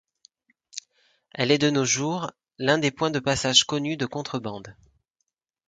Elle est de nos jours, l'un des points de passage connus de contrebande.